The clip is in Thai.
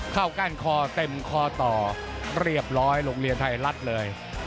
ก้านคอเต็มคอต่อเรียบร้อยโรงเรียนไทยรัฐเลย